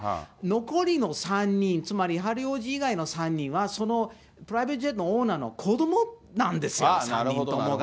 残りの３人、つまりハリー王子以外の３人は、そのプライベートジェットのオーナーの子どもなんですよ、３人ともが。